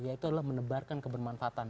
yaitu adalah menebarkan kebermanfaatan